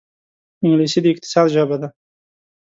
انګلیسي د اقتصاد ژبه ده